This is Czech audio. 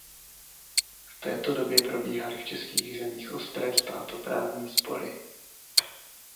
V této době probíhaly v českých zemích ostré státoprávní spory.